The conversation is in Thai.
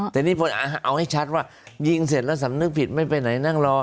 แต่นี่เอาให้ชัดว่ายิงเสร็จแล้วสำนึกผิดไม่ไปไหนนั่งรอ